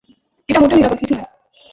এটা মোটেও নিরাপদ কিছু নয়!